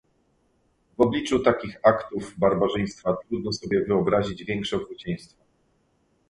W obliczu takich aktów barbarzyństwa trudno sobie wyobrazić większe okrucieństwo